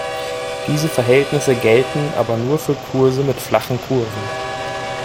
Diese Verhältnisse gelten aber nur für Kurse mit flachen Kurven.